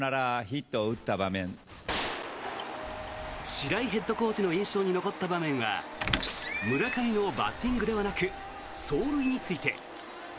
白井ヘッドコーチの印象に残った場面は村上のバッティングではなく走塁について。